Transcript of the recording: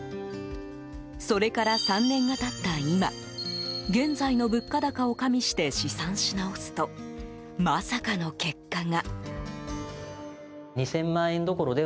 それから３年が経った今現在の物価高を加味して試算し直すと、まさかの結果が。